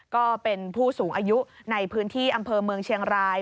ก็เป็นผู้สูงอายุในพื้นที่อำเภอเมืองเชียงราย